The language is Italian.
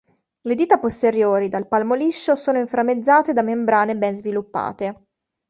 Le dita posteriori, dal palmo liscio, sono inframmezzate da membrane ben sviluppate.